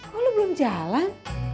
kok lo belum jalan